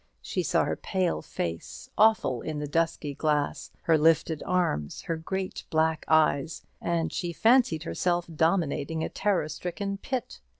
She saw her pale face, awful in the dusky glass, her lifted arms, her great black eyes, and she fancied herself dominating a terror stricken pit.